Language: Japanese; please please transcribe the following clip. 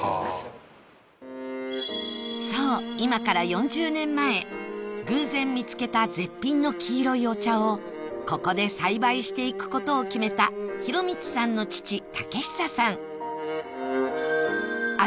そう今から４０年前偶然見つけた絶品の黄色いお茶をここで栽培していく事を決めた浩光さんの父武久さん